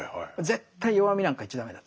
絶対弱みなんか言っちゃ駄目だと。